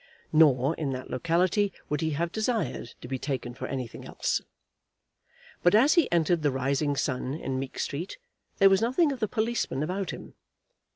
Nor, in that locality, would he have desired to be taken for anything else. But as he entered the "Rising Sun" in Meek Street, there was nothing of the policeman about him.